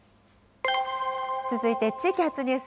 続いて地域発ニュース。